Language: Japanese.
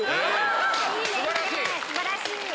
素晴らしい！